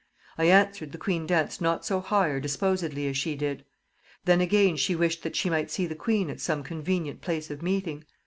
I answered, the queen danced not so high or disposedly as she did. Then again she wished that she might see the queen at some convenient place of meeting.